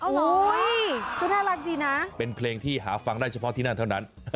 โอ้โหคือน่ารักดีนะเป็นเพลงที่หาฟังได้เฉพาะที่นั่นเท่านั้น